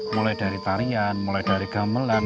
mulai dari tarian mulai dari gamelan